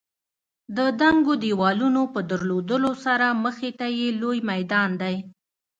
د دنګو دېوالونو په درلودلو سره مخې ته یې لوی میدان دی.